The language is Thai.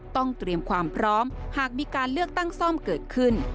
ต้องเตรียมความพร้อมหากมีการเลือกตั้งซ่อมเกิดขึ้น